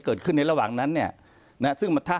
เกิดขึ้นในระหว่างนั้นเนี่ยนะฮะ